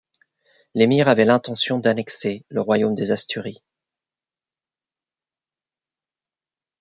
L'émir avait l'intention d'annexer le Royaume des Asturies.